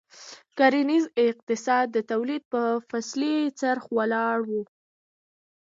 کرنیز اقتصاد د تولید په فصلي څرخ ولاړ و.